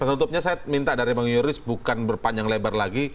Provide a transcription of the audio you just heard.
penutupnya saya minta dari bang yoris bukan berpanjang lebar lagi